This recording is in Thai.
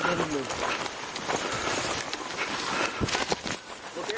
มีตัวหมีอยู่ไหม